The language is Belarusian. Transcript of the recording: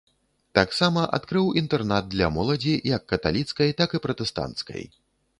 Таксама адкрыў інтэрнат для моладзі, як каталіцкай, так і пратэстанцкай.